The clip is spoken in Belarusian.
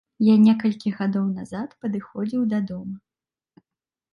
Я некалькі гадоў назад падыходзіў да дома.